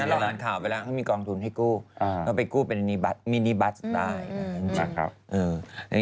เราอ่านข่าวไปแล้วเขามีกองทุนให้กู้เขาไปกู้เป็นมินิบัสได้นะครับ